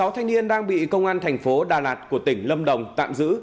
một mươi sáu thanh niên đang bị công an thành phố đà lạt của tỉnh lâm đồng tạm giữ